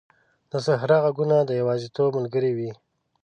د صحرا ږغونه د یوازیتوب ملګري وي.